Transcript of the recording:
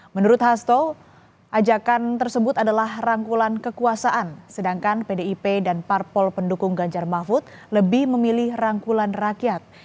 menurut hasto ajakan tersebut adalah rangkulan kekuasaan sedangkan pdip dan parpol pendukung ganjar mahfud lebih memilih rangkulan rakyat